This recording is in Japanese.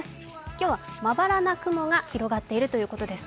今日はまばらな雲が広がっているということです。